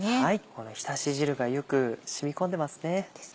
このひたし汁がよく染み込んでますね。